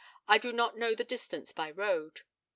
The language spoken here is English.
I do not know the distance by road.